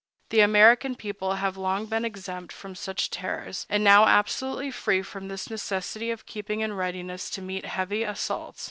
The American people have long been exempt from such terrors, and are now absolutely free from this necessity of keeping in readiness to meet heavy assaults.